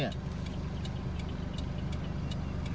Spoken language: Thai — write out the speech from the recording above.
ไม่นะ